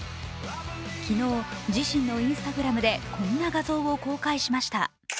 昨日、自身のＩｎｓｔａｇｒａｍでこんな画像を公開しました。